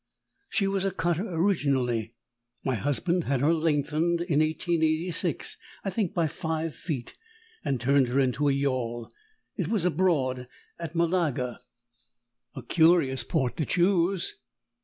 "She was a cutter originally. My husband had her lengthened, in 1886, I think by five feet, and turned her into a yawl. It was abroad, at Malaga " "A curious port to choose."